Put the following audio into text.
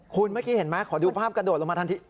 คุณเมื่อกี้เห็นไหมขอดูภาพกระโดดลงมาทันที